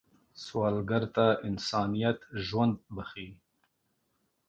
سوالګر ته انسانیت ژوند بښي